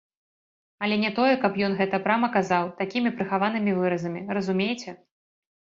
Але не тое, каб ён гэта прама казаў, такімі прыхаванымі выразамі, разумееце.